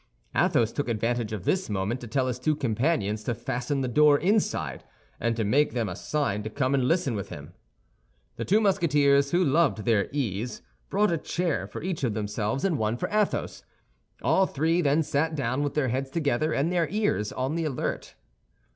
Athos took advantage of this moment to tell his two companions to fasten the door inside, and to make them a sign to come and listen with him. The two Musketeers, who loved their ease, brought a chair for each of themselves and one for Athos. All three then sat down with their heads together and their ears on the alert.